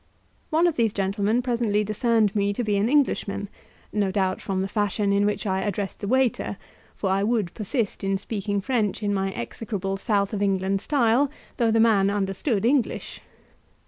One of these gentlemen presently discerned me to be an Englishman no doubt from the fashion in which I addressed the waiter; for I would persist in speaking French in my execrable South of England style, though the man understood English.